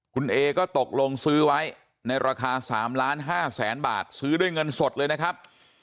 คุณเอก็ตกลงซื้อไว้ในราคา๓๕๐๐๐๐บาทซื้อด้วยเงินสดเลยนะครับ